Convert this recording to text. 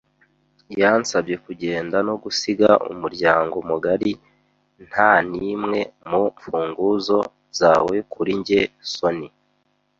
Yansabye kugenda no gusiga umuryango mugari. “Nta nimwe mu mfunguzo zawe kuri njye, sonny,”